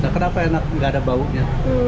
kenapa enak nggak ada baunya